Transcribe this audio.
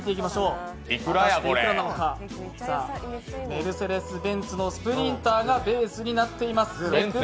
メルセデス・ベンツのスプリンターがベースになっています。